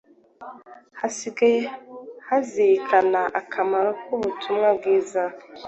hasigara hazirikana akamaro k’ubutumwa bwiza.